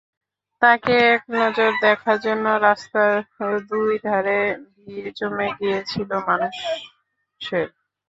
তাঁকে একনজর দেখার জন্য রাস্তার দুই ধারে ভিড় জমে গিয়েছিল মানুষের।